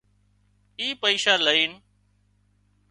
اي پئيشا لئينَ